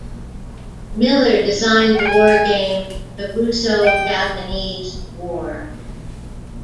Miller designed the wargame "The Russo-Japanese War".